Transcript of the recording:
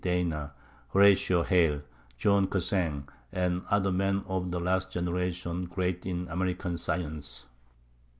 Dana, Horatio Hale, John Cassin, and other men of the last generation great in American science.